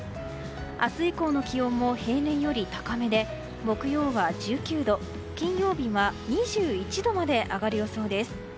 明日以降の気温も平年より高めで木曜は１９度、金曜日は２１度まで上がる予想です。